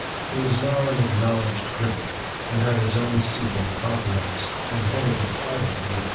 He was now an acknowledged critick, and had his own seat in a coffee house, and headed a party in the THE IDLER.